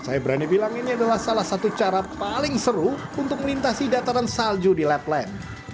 saya berani bilang ini adalah salah satu cara paling seru untuk melintasi dataran salju di lab land